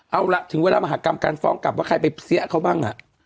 เอาล่ะถึงเวลามหากรรมการฟ้องกลับว่าใครไปเสียเขาบ้าง